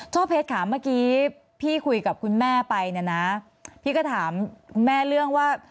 เพชรค่ะเมื่อกี้พี่คุยกับคุณแม่ไปเนี่ยนะพี่ก็ถามคุณแม่เรื่องว่า